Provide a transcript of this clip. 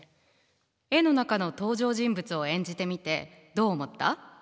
絵の中の登場人物を演じてみてどう思った？